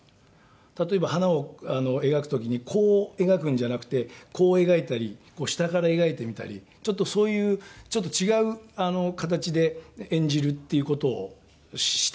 例えば花を描く時にこう描くんじゃなくてこう描いたり下から描いてみたりちょっとそういうちょっと違う形で演じるっていう事をした３０代があったんですよね。